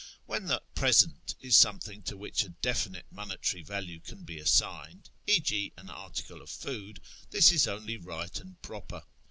When the " present " is something to which a definite monetary value can be assigned {e.g. an article of food), this is only right and proper.